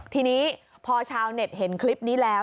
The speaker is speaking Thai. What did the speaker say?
ทีนี้พอชาวเน็ตเห็นคลิปนี้แล้ว